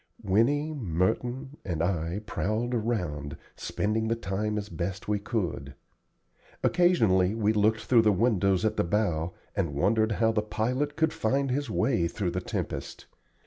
Winnie, Merton, and I prowled around, spending the time as best we could. Occasionally we looked through the windows at the bow, and wondered how the pilot could find his way through the tempest.